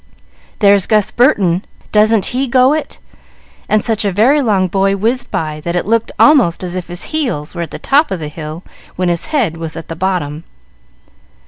"There's Gus Burton; doesn't he go it?" and such a very long boy whizzed by, that it looked almost as if his heels were at the top of the hill when his head was at the bottom!